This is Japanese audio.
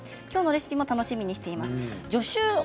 きょうのレシピも楽しみにしています。